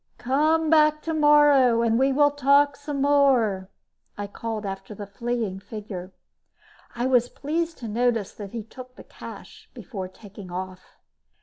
"Come back tomorrow and we will talk some more," I called after the fleeing figure. I was pleased to notice that he took the cash before taking off.